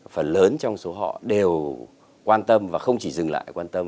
phần lớn trong số họ đều quan tâm và không chỉ dừng lại quan tâm